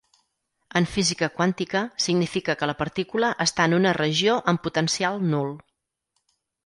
En física quàntica, significa que la partícula està en una regió amb potencial nul.